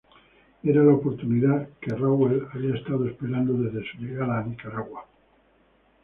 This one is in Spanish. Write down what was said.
Era la oportunidad que Rowell había estado esperando desde su llegada a Nicaragua.